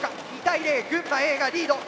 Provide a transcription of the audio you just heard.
２対０群馬Ａがリード。